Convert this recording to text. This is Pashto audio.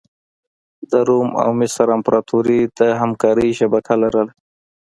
د روم او مصر امپراتوري د همکارۍ شبکه لرله.